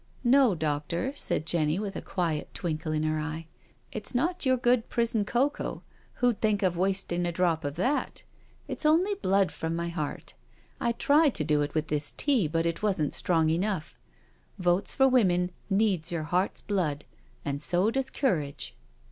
"No, doctor," said Jenny, with a quiet twinkle in her eye^ " it's not your good prison cocoa^who'd think of wastin' a drop of thatl It's only blood from my, heart. I tried to do it with this tea, but it wasn't strong enough. * Votes for Women ' needs your heart's blood, and so does courage."